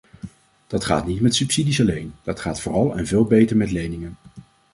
Dat gaat niet met subsidies alleen, dat gaat vooral en veel beter met leningen.